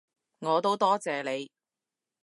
我都多謝你